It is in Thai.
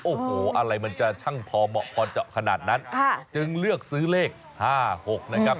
โอ้โหอะไรมันจะช่างพอเหมาะพอเจาะขนาดนั้นจึงเลือกซื้อเลข๕๖นะครับ